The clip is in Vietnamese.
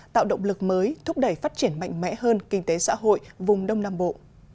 tạo động lực mới thúc đẩy phát triển mạnh mẽ hơn kinh tế xã hội vùng đông nam bộ